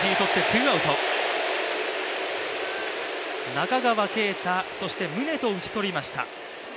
中川圭太、そして宗と打ち取りました。